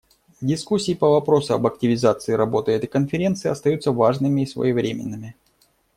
Дискуссии по вопросу об активизации работы этой Конференции остаются важными и своевременными.